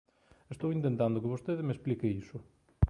Estou intentando que vostede me explique iso.